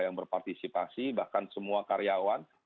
yang berpartisipasi bahkan semua karyawan